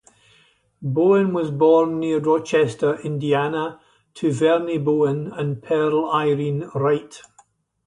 Bowen was born near Rochester, Indiana, to Vernie Bowen and Pearl Irene Wright.